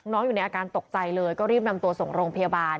อยู่ในอาการตกใจเลยก็รีบนำตัวส่งโรงพยาบาล